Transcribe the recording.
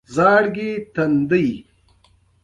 کروندګر باید د ځمکې حاصلخیزي ته ځانګړې پاملرنه وکړي.